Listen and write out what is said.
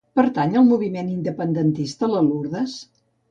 Pertany al moviment independentista la Lourdes?